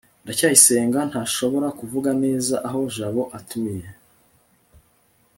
ndacyayisenga ntashobora kuvuga neza aho jabo atuye